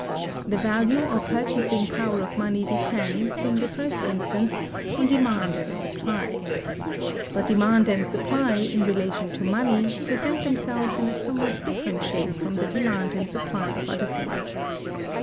The value or purchasing power of money depends, in the first instance, on demand and supply. But demand and supply, in relation to money, present themselves in a somewhat different shape from the demand and supply of other things.